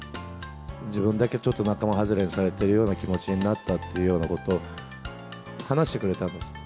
自分だけちょっと仲間外れにされているような気持ちになったっていうようなことを話してくれたんですね。